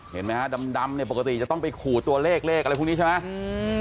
เห็นไหมฮะดำเนี่ยปกติจะต้องไปขู่ตัวเลขเลขอะไรพวกนี้ใช่ไหม